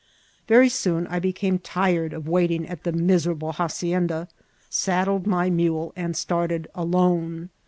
Very soon I became tired of waiting at the miserable hacienda, saddled my mule, and started alone.